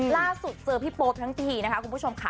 ล่าสุดเจอพี่ปบทั้งทีคุณผู้ชมค่ะ